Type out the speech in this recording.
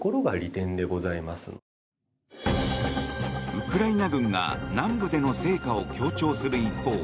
ウクライナ軍が南部での成果を強調する一方